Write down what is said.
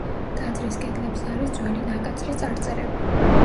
ტაძრის კედლებზე არის ძველი ნაკაწრი წარწერები.